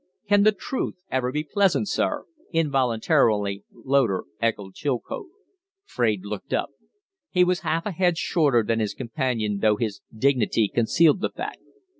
"Can the truth ever be pleasant, sir?" Involuntarily Loder echoed Chilcote. Fraide looked up. He was half a head shorter than his companion, though his dignity concealed the fact.